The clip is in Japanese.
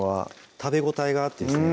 食べ応えがあってですね